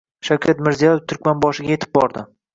Shavkat Mirziyoyev Turkmanboshiga yetib bordi